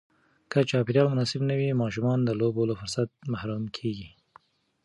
که چاپېریال مناسب نه وي، ماشومان د لوبو له فرصت محروم کېږي.